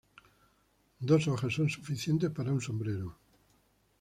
Dos hojas son suficientes para un sombrero.